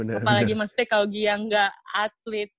apalagi mesti ke augie yang gak atlet